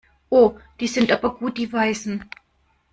Oh, die sind aber gut die Weißen.